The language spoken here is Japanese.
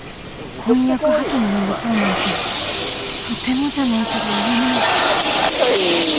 婚約破棄になりそうなんてとてもじゃないけど言えないああかわいい！